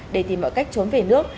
để tìm mọi cách trốn về nước